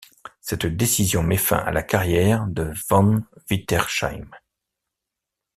Cette décision met fin à la carrière de Von Wietersheim.